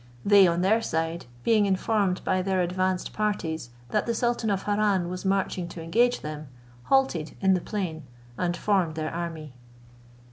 They, on their side, being informed by their advanced parties that the sultan of Harran was marching to engage them, halted in the plain, and formed their army.